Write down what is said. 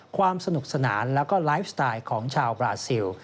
ความสนุกสนานแล้วก็ไลฟ์สไตล์ของชาวบราซิล